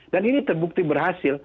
dan ini terbukti berhasil